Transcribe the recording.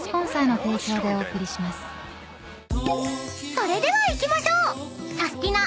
［それではいきましょう］